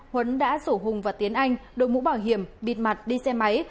huấn đã sổ hùng vào tiến anh đôi mũ bảo hiểm bịt mặt đi xe máy